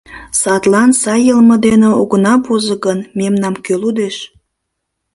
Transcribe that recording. Садлан, сай йылме дене огына возо гын, мемнам кӧ лудеш?